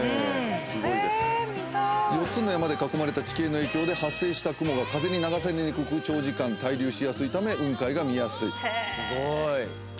４つの山で囲まれた地形の影響で発生した雲が風に流されにくく長時間滞留しやすいため雲海が見やすい。